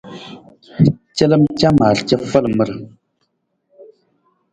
Calam camar cafalamar.